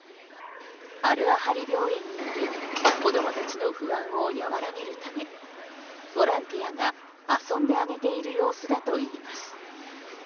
アル・アハリ病院にいる子供たちの不安を和らげるためボランティアが遊んであげている様子だといいます。